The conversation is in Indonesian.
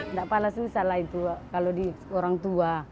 nggak palah susah lah itu kalau orang tua